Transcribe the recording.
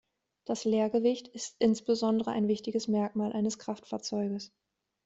Das Leergewicht ist insbesondere ein wichtiges Merkmal eines Kraftfahrzeuges.